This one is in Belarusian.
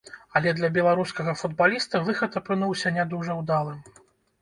Але для беларускага футбаліста выхад апынуўся не дужа ўдалым.